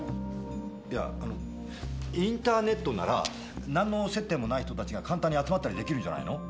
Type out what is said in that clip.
いやインターネットなら何の接点もない人たちが簡単に集まったりできるんじゃないの？